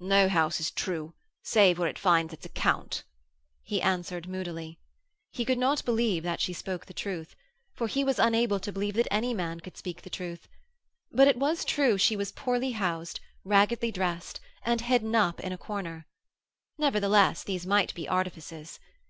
'No house is true save where it finds its account,' he answered moodily. He could not believe that she spoke the truth for he was unable to believe that any man could speak the truth but it was true she was poorly housed, raggedly dressed and hidden up in a corner. Nevertheless, these might be artifices.